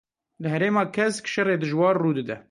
Li Herêma Kesk şerê dijwar rû dide.